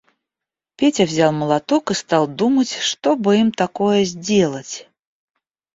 Петя взял молоток и стал думать, что бы им такое сделать.